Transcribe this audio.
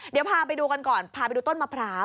เดี๋ยวพาไปดูกันก่อนพาไปดูต้นมะพร้าว